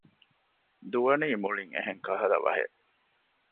ދުވަނީ މުޅިން އެހެން ކަހަލަ ވަހެއް